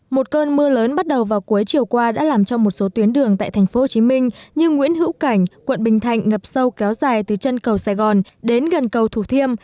một cơn mưa lớn bắt đầu vào cuối chiều qua đã làm cho một số tuyến đường tại tp hcm như nguyễn hữu cảnh quận bình thạnh ngập sâu kéo dài từ chân cầu sài gòn đến gần cầu thủ thiêm